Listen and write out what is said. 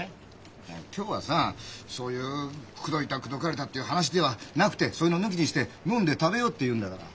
いや今日はさそういう口説いた口説かれたっていう話ではなくてそういうの抜きにして飲んで食べようっていうんだから。